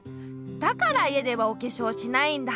だから家ではおけしょうしないんだ。